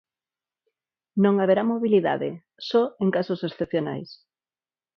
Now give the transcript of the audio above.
Non haberá mobilidade, só en casos excepcionais.